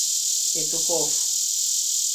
Петухов...